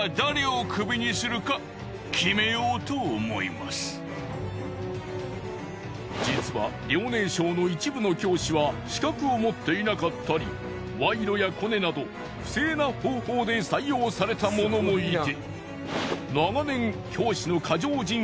なんとそして校長からしかしいったい実は実は遼寧省の一部の教師は資格を持っていなかったり賄賂やコネなど不正な方法で採用された者もいて。